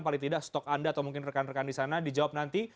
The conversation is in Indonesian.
paling tidak stok anda atau mungkin rekan rekan di sana dijawab nanti